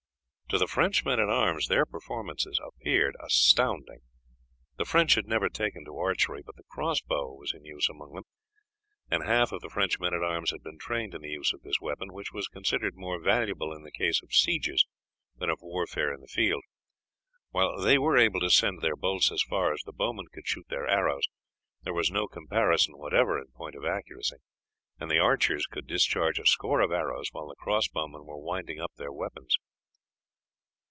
To the French men at arms their performances appeared astounding. The French had never taken to archery, but the cross bow was in use among them, and half of the French men at arms had been trained in the use of this weapon, which was considered more valuable in the case of sieges than of warfare in the field. While they were able to send their bolts as far as the bowmen could shoot their arrows, there was no comparison whatever in point of accuracy, and the archers could discharge a score of arrows while the cross bowmen were winding up their weapons.